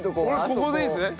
ここでいいんですね。